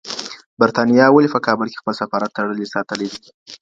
برېتانیا ولي په کابل کي خپل سفارت تړلی ساتلی دی؟